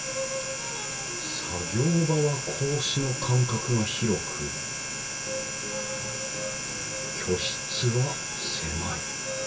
作業場は格子の間隔が広く居室は狭い。